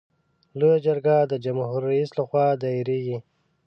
لویه جرګه د جمهور رئیس له خوا دایریږي.